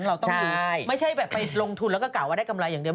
เราต้องไม่ใช่แบบไปลงทุนแล้วก็กล่าวว่าได้กำไรอย่างเดียว